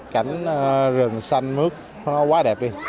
cảnh rừng xanh mướt nó quá đẹp đi